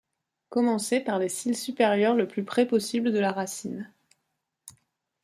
Commencer par les cils supérieurs le plus près possible de la racine.